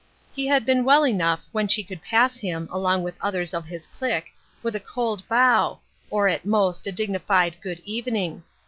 He had been well enough when she could pass him, along with others of his clique, with a cold bow, or, at most, a dignified "good evening."